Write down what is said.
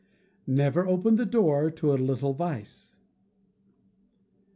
[NEVER OPEN THE DOOR TO A LITTLE VICE.